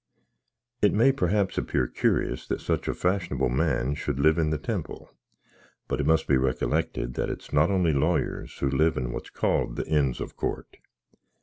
It may, praps, appear curous that such a fashnabble man should live in the Temple; but it must be recklected, that its not only lawyers who live in what's called the Ins of Cort.